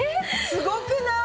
すごくない？